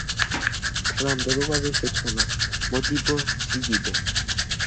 თანამდებობაზე შეცვალა მოდიბო სიდიბე.